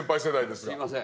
すいません。